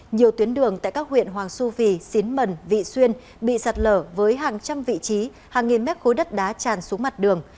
nhiều tuyến đường tại các huyện hoàng su phi xín mần vị xuyên bị sạt lở với hàng trăm vị trí hàng nghìn mét khối đất đá tràn xuống mặt đường